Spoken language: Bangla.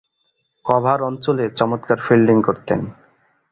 কভার অঞ্চলে চমৎকার ফিল্ডিং করতেন।